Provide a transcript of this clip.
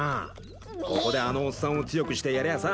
ここであのおっさんを強くしてやりゃあさ